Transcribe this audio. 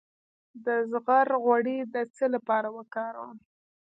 د زغر غوړي د څه لپاره وکاروم؟